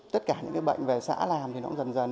tất cả những cái bệnh về xã làm thì nó cũng dần dần